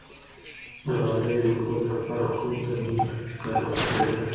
د غالیو رنګولو لپاره کوم طبیعي توکي کارول کيدل؟